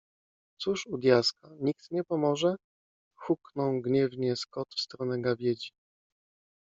Cóż u diaska! Nikt nie pomoże? - hukną gniewnie Scott w stronę gawiedzi.